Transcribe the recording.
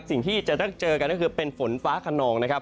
สิ่งที่จะต้องเจอกันก็คือเป็นฝนฟ้าขนองนะครับ